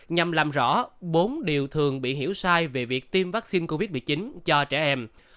nhằm làm rõ bốn điều thường bị hiểu sai về việc tiêm vaccine covid một mươi chín cho trẻ em